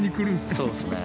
そうですね。